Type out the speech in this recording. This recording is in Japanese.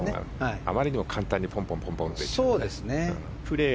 あまりにも簡単にポンポンいくからね。